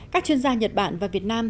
các chuyên gia nhật bản và việt nam